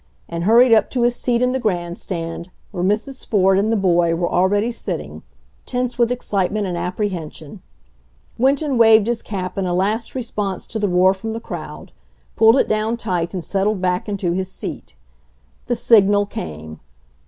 and hurried up to his seat in the grandstand, where Mrs. Ford and the boy were already sitting, tense with excitement and apprehension. Winton waved his cap in a last response to the roar from the crowd, pulled it down tight and settled back into his seat. The signal came.